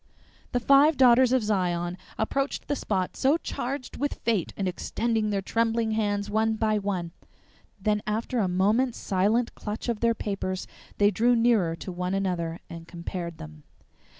The five Daughters of Zion approached the spot so charged with fate, and extended their trembling hands one by one. Then after a moment's silent clutch of their papers they drew nearer to one another and compared them.